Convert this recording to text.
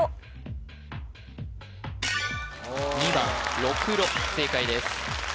２番ろくろ正解です